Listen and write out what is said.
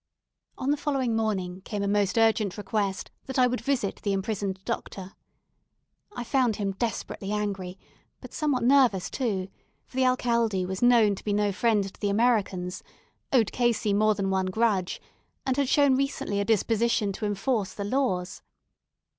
On the following morning came a most urgent request that I would visit the imprisoned Doctor. I found him desperately angry, but somewhat nervous too, for the alcalde was known to be no friend to the Americans, owed Casey more than one grudge, and had shown recently a disposition to enforce the laws.